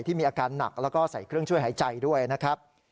มีอาการหนักแล้วก็ใส่เครื่องช่วยหายใจด้วยนะครับ